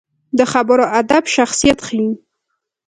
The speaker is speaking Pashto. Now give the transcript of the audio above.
د خبرو ادب شخصیت ښيي